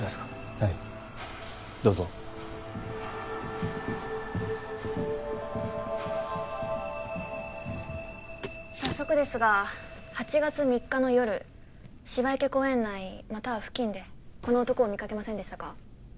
はいどうぞ早速ですが８月３日の夜芝池公園内または付近でこの男を見かけませんでしたか？